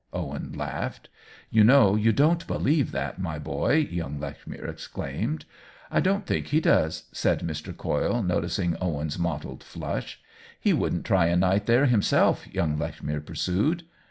Owen laughed. "You know you don't believe that, my boy 1" young Lechmere exclaimed. " I don't think he does," said Mr. Coyle, noticing Owen's mottled flush. " He wouldn't try a night there himself I" young Lechmere pursued.